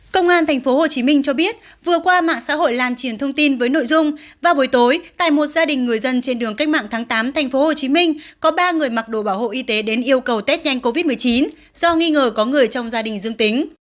công an tp hcm cho biết vừa qua mạng xã hội lan truyền thông tin với nội dung vào buổi tối tại một gia đình người dân trên đường cách mạng tháng tám tp hcm có ba người mặc đồ bảo hộ y tế đến yêu cầu tết nhanh covid một mươi chín do nghi ngờ có người trong gia đình dương tính